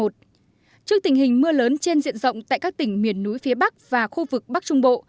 trước tình hình mưa lớn trên diện rộng tại các tỉnh miền núi phía bắc và khu vực bắc trung bộ